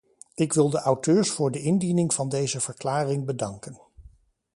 Ik wil de auteurs voor de indiening van deze verklaring bedanken.